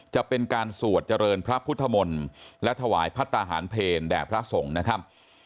จะเป็นการสวดเจริญพระพุทธมนตร์และถวายพัฒนาหารเพลแด่พระสงฆ์นะครับ